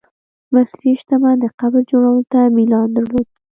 مصري شتمن د قبر جوړولو ته میلان درلود.